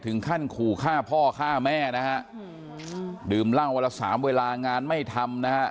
ถึงขั้นขู่ฆ่าพ่อฆ่าแม่นะฮะดื่มเหล้าวันละสามเวลางานไม่ทำนะฮะ